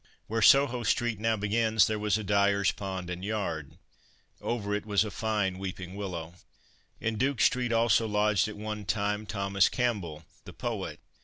Where Soho street now begins there was a dyer's pond and yard; over it was a fine weeping willow. In Duke street also lodged at one time Thomas Campbell, the poet.